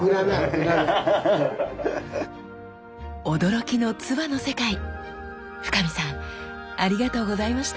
驚きの鐔の世界深海さんありがとうございました。